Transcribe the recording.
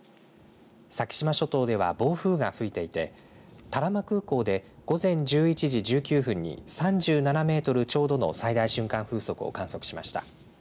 先島諸島では暴風が吹いていて多良間空港で午前１１時１９分に３７メートルちょうどの最大瞬間風速を観測しました。